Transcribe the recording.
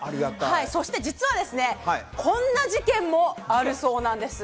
そして実はこんな事件もあるそうなんです。